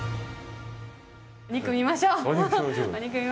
お肉見ましょう。